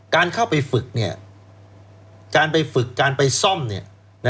การเข้าไปฝึกเนี่ยการไปฝึกการไปซ่อมเนี่ย